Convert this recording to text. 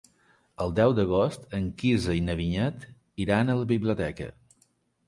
El deu d'agost en Quirze i na Vinyet iran a la biblioteca.